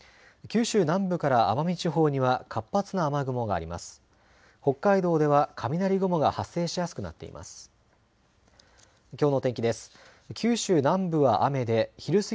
九州南部から奄美地方には活発な雨雲があります。